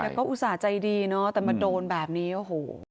แต่ก็อุตส่าห์ใจดีเนาะแต่มาโดนแบบนี้โอ้โห